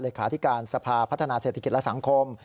ที่การสภาพัฒนาเศรษฐกิจและสังคม